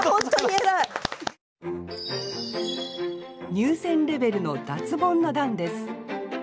入選レベルの脱ボンの段です